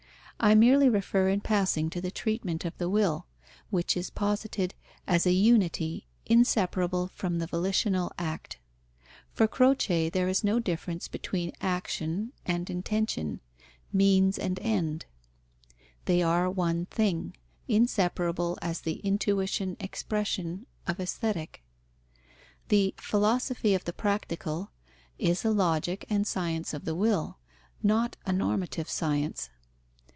I merely refer in passing to the treatment of the will, which is posited as a unity inseparable from the volitional act. For Croce there is no difference between action and intention, means and end: they are one thing, inseparable as the intuition expression of Aesthetic. The Philosophy of the Practical is a logic and science of the will, not a normative science.